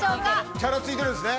チャラついてるんですね。